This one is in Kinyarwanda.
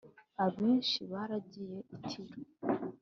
Abenshi baragiye Itiro